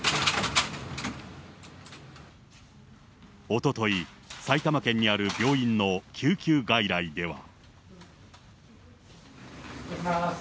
おととい、埼玉県にある病院の救急外来では。